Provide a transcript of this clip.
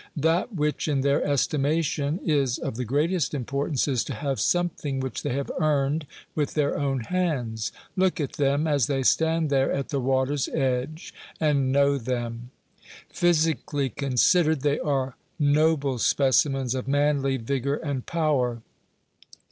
That which, in their estimation, is of the greatest importance, is to have something which they have earned with their own hands. Look at them, as they stand there at the water's edge, and know them. Physically considered, they are noble specimens of manly vigor and power.